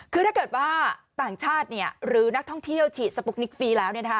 คือถ้าเกิดว่าต่างชาติหรือนักท่องเที่ยวฉีดสปุ๊กนิกฟรีแล้ว